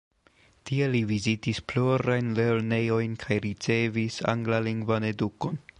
Tie li vizitis plurajn lernejojn kaj ricevis anglalingvan edukon.